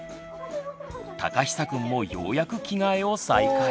たかひさくんもようやく着替えを再開。